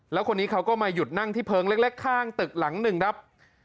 แล้วคนนี้เขาก็มาหยุดนั่งที่เพลิงเล็กข้างตึกหลังหนึ่งครับ